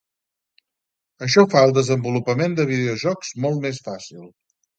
Això fa el desenvolupament de videojocs molt més fàcil.